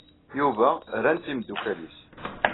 Yuba ran-t yimeddukal-nnes.